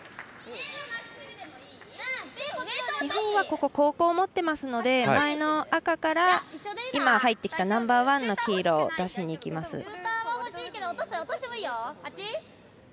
日本はここ後攻を持っているので前の赤から、今入ってきたナンバーワンの黄色を出しにいきます。